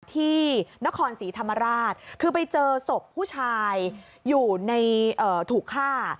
ที่นครศรีธรรมราชคือไปเจอศพผู้ชายอยู่ในถูกฆ่า